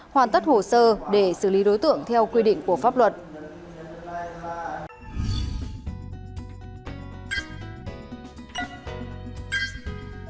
hoàn tất hồ sơ để xử lý đối tượng theo quy định của pháp luật